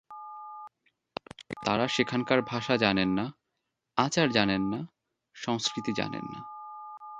তাঁরা সেখানকার ভাষা জানেন না, আচার জানেন না, সংস্কৃতি জানেন না।